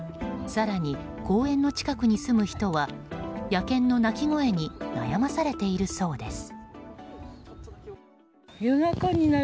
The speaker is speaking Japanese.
更に公園の近くに住む人は野犬の鳴き声に悩まされているそうです。